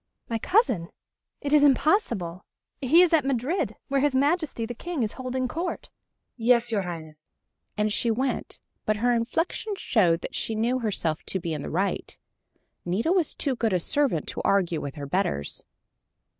"My cousin it is impossible. He is at Madrid, where his Majesty the King is holding Court." "Yes, your Highness," and she went, but her inflection showed that she knew herself to be in the right. Nita was too good a servant to argue with her betters.